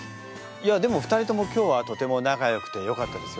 いやでも２人とも今日はとても仲よくてよかったですよ。